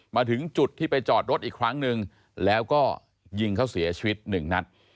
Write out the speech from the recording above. มาถึงจุดที่ไปจอดรถอีกครั้งหนึ่งแล้วก็ยิงเขาเสียชีวิตหนึ่งนัด